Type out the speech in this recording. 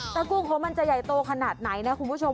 กุ้งของมันจะใหญ่โตขนาดไหนนะคุณผู้ชม